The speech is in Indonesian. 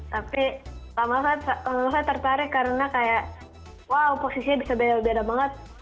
tapi lama saya tertarik karena kayak wow posisinya bisa beda beda banget